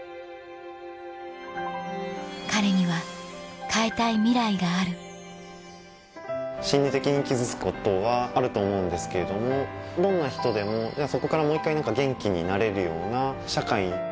彼には変えたいミライがある心理的に傷つくことはあると思うんですけれどもどんな人でもそこからもう一回元気になれるような社会。